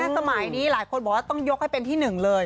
สมัยนี้หลายคนบอกว่าต้องยกให้เป็นที่หนึ่งเลย